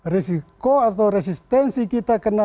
risiko atau resistensi kita kena